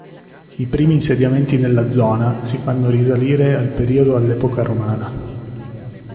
I primi insediamenti nella zona si fanno risalire al periodo all'epoca romana..